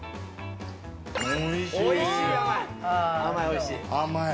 おいしい。